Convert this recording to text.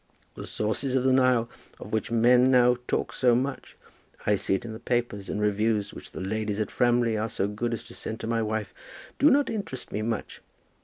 The sources of the Nile, of which men now talk so much, I see it in the papers and reviews which the ladies at Framley are so good as to send to my wife, do not interest me much.